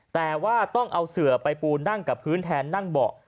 แต่ว่าต้องเอาเสือไปปูนั่งกับพื้นแทนนั่งเบาะ